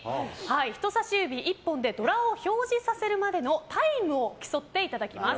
人さし指１本でドラを表示させるまでのタイムを競っていただきます。